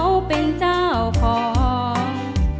หลังจากนั้น